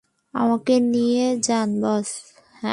আমাকে নিয়ে যান, বস।